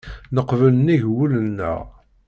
Neqbel nnig wul-nneɣ.